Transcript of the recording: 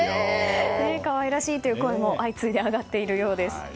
可愛らしいという声も相次いで上がっているようです。